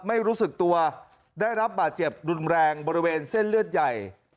ไม่รู้สึกตัวได้รับบาดเจ็บรุนแรงบริเวณเส้นเลือดใหญ่